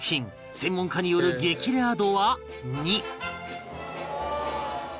専門家による激レア度は２